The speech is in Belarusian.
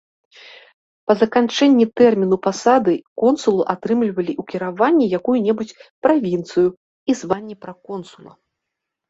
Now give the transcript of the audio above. Па заканчэнні тэрміну пасады, консулы атрымлівалі ў кіраванне якую-небудзь правінцыю і званне праконсула.